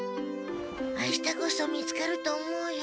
明日こそ見つかると思うよ。